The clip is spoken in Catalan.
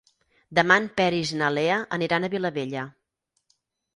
Demà en Peris i na Lea aniran a Vilabella.